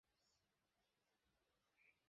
আপনি দিবেন আমার স্কুলের ফি?